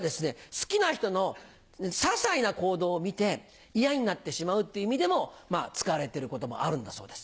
好きな人の些細な行動を見て嫌になってしまうって意味でも使われてることもあるんだそうです。